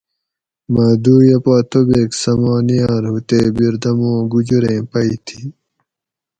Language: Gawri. مۤہ دُویۤہ پا توبیک سما نیاۤر ہُو تے بیردمو گُجُریں پئ تھی